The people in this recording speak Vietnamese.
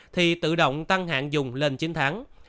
thì tự động tăng hạn dùng lên chín tháng